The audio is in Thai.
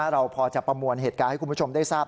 เราพอจะประมวลเหตุการณ์ให้คุณผู้ชมได้ทราบ